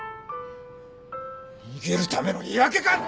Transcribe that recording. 逃げるための言い訳か！？